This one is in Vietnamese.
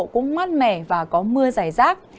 cũng mát mẻ và có mưa rải rác